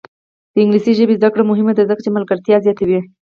د انګلیسي ژبې زده کړه مهمه ده ځکه چې ملګرتیا زیاتوي.